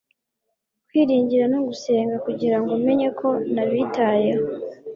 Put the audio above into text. kwiringira no gusenga kugirango umenye ko nabitayeho